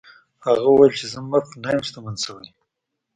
هغه وویل چې زه مفت نه یم شتمن شوی.